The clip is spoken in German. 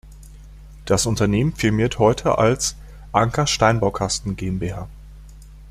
Das Unternehmen firmiert heute als "Anker-Steinbaukasten GmbH".